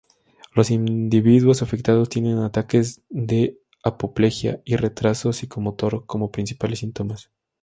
Los individuos afectados tienen ataques de apoplejía y retraso psicomotor como principales síntomas.